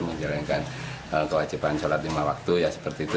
menjalankan kewajiban sholat lima waktu ya seperti itu